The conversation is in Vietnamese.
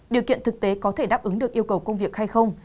điều kiện thực tế có thể đáp ứng được yêu cầu công việc hay không